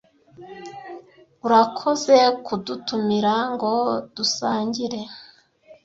Urakoze kudutumira ngo dusangire.